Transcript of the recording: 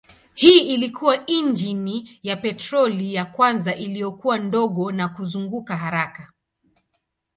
Hii ilikuwa injini ya petroli ya kwanza iliyokuwa ndogo na kuzunguka haraka.